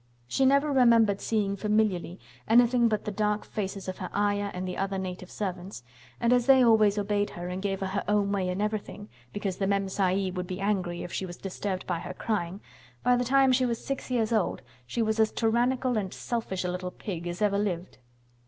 She never remembered seeing familiarly anything but the dark faces of her Ayah and the other native servants, and as they always obeyed her and gave her her own way in everything, because the Mem Sahib would be angry if she was disturbed by her crying, by the time she was six years old she was as tyrannical and selfish a little pig as ever lived.